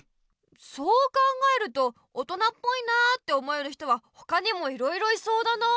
そう考えると大人っぽいなって思える人はほかにもいろいろいそうだな。